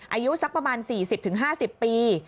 อายุสักประมาณ๔๐๕๐ปี